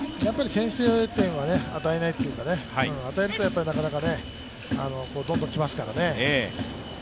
先制点は与えないというかね、与えると、なかなかどんどん来ますからね。